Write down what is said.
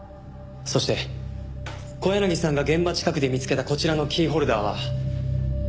そして小柳さんが現場近くで見つけたこちらのキーホルダーは。